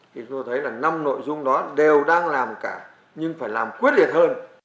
thì chúng tôi thấy là năm nội dung đó đều đang làm cả nhưng phải làm quyết liệt hơn